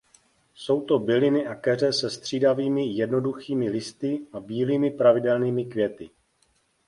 Jsou to byliny a keře se střídavými jednoduchými listy a bílými pravidelnými květy.